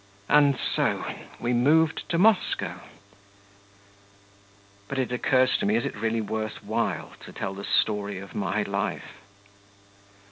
And so, we moved to Moscow.... But it occurs to me, is it really worth while to tell the story of my life?